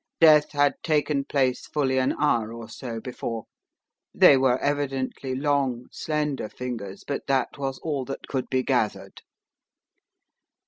Death had taken place fully an hour or so before. They were evidently long, slender fingers, but that was all that could be gathered."